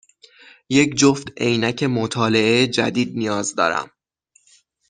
یک جفت عینک مطالعه جدید نیاز دارم.